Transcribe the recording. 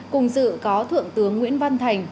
cùng dự có thượng tướng nguyễn văn thành